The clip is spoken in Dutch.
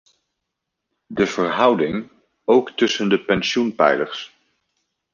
De verhouding ook tussen de pensioenpijlers.